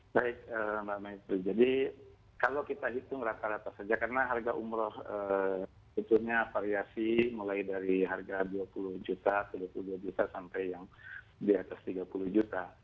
baik mbak maidul jadi kalau kita hitung rata rata saja karena harga umroh itu variasi mulai dari harga rp dua puluh juta sampai yang di atas rp tiga puluh juta